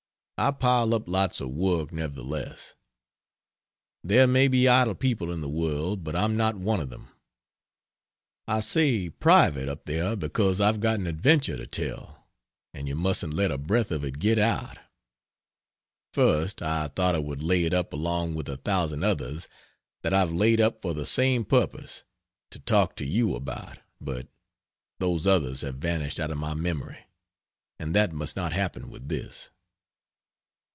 I pile up lots of work, nevertheless. There may be idle people in the world, but I'm not one of them. I say "Private" up there because I've got an adventure to tell, and you mustn't let a breath of it get out. First I thought I would lay it up along with a thousand others that I've laid up for the same purpose to talk to you about, but those others have vanished out of my memory; and that must not happen with this.